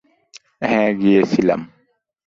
হ্যাঁ, গিয়েছিলাম।